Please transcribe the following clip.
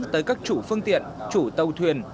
tới các chủ phương tiện chủ tàu thuyền